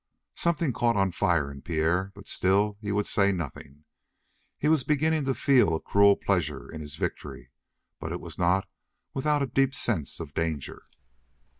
Something caught on fire in Pierre, but still he would say nothing. He was beginning to feel a cruel pleasure in his victory, but it was not without a deep sense of danger.